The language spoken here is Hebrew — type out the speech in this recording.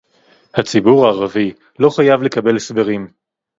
הציבור הערבי לא חייב לקבל הסברים